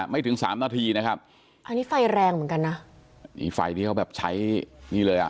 ถึงสามนาทีนะครับอันนี้ไฟแรงเหมือนกันนะนี่ไฟที่เขาแบบใช้นี่เลยอ่ะ